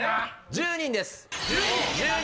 １０人です。